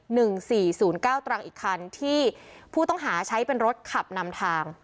หนึ่งสี่ศูนย์เก้าตรังอีกคันที่ผู้ต้องหาใช้เป็นรถขับนำทาง